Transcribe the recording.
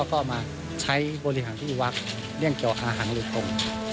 ก็มาใช้บริหารที่วักเรียกเกี่ยวอาหารเลยตรง